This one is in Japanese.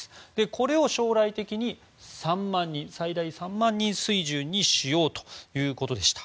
これを将来的に最大３万人水準にしようということでした。